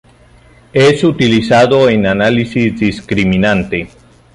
Es utilizado en análisis discriminante.